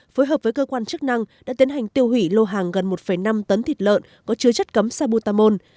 phối hợp với cơ quan chức năng đã tiến hành tiêu hủy lô hàng gần một năm tấn thịt lợn có chứa chất cấm sabutamol